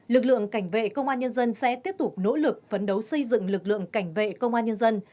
lực lượng cảnh vệ công an nhân dân sẽ tiếp tục nỗ lực phấn đấu xây dựng lực lượng cảnh vệ công an nhân dân